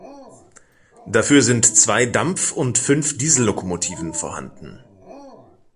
Dafür sind zwei Dampf- und fünf Diesellokomotiven vorhanden.